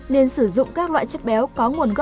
nên sử dụng các loại chất đạm động vật và thực vật